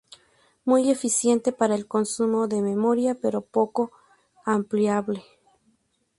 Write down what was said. Muy eficiente para el consumo de memoria, pero poco ampliable.